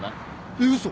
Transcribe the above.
えっ嘘。